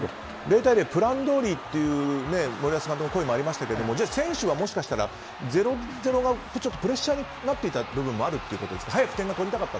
０対０でプランどおりという森保監督の声もありましたが選手はもしかしたら０−０がプレッシャーになっていた部分もあったということですか？